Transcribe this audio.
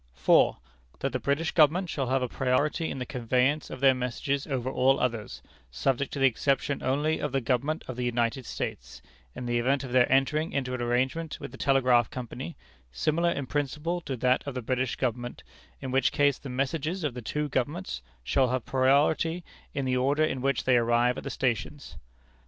"4. That the British Government shall have a priority in the conveyance of their messages over all others, subject to the exception only of the Government of the United States, in the event of their entering into an arrangement with the Telegraph Company similar in principle to that of the British Government, in which case the messages of the two Governments shall have priority in the order in which they arrive at the stations.